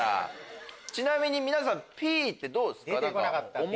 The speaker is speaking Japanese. ちなみに皆さん「Ｐ」ってどうですか？